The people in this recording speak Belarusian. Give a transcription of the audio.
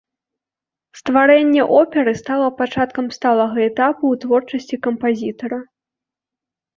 Стварэнне оперы стала пачаткам сталага этапу ў творчасці кампазітара.